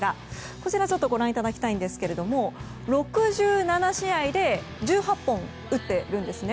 こちらご覧いただきたいんですが６７試合で１８本打っているんですね。